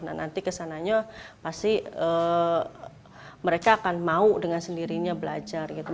nah nanti kesananya pasti mereka akan mau dengan sendirinya belajar gitu